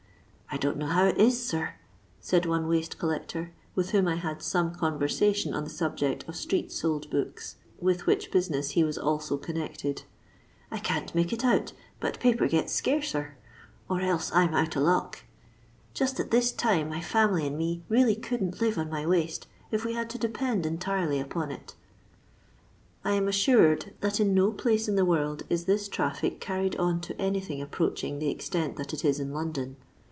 " I don't know how it is, sir," said one waste collector, with whom I had some conversation on the subject of street sold books, with which business he was also connected, " 1 can't make it out, but paper gets scarcer or else 1 'm out of luck. Just at this tune my fiimily and me really couldn't live on my wasta if we hod to depend entirely upon it." I am assured that in no place in the world is this traffic carried on to anything approaching the extent that it is in Londitn.